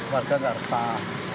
warga nggak resah